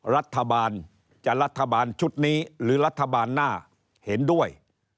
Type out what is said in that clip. รัฐบาลจะรัฐบาลชุดนี้หรือรัฐบาลหน้าเห็นด้วย